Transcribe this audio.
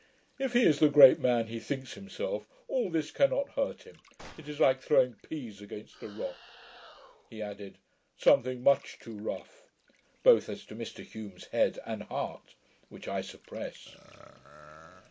If he is the great man he thinks himself, all this cannot hurt him: it is like throwing peas against a rock.' He added 'something much too rough', both as to Mr Hume's head and heart, which I suppress.